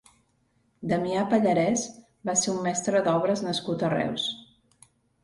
Damià Pallarès va ser un mestre d'obres nascut a Reus.